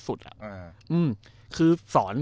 อ่ะอืมคือสอน